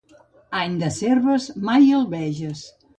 Any de serves, mai el veges.